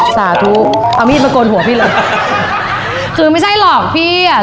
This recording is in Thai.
สาธุเอามีดมาโกนหัวพี่เลยคือไม่ใช่หรอกพี่อ่ะ